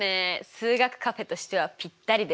数学カフェとしてはぴったりですね。